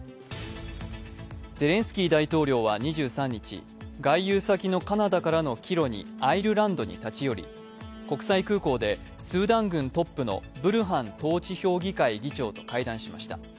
ゼレンスキー大統領は２３日、外遊先のカナダからの帰路にアイルランドに立ち寄り、国際空港でスーダン軍トップのブルハン統治評議会議長と会談しました。